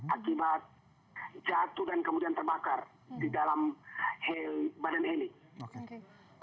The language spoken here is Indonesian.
akibat jatuh dan kemudian terbakar di dalam heli